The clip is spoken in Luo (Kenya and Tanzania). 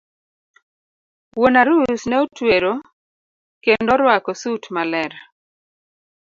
Wuon arus ne otwero kendo orwako sut maler.